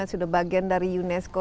sudah bagian dari unesco